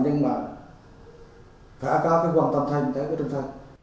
nhưng mà cả các vòng tầm thành